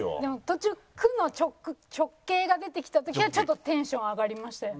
途中区の直系が出てきた時はちょっとテンション上がりましたよ。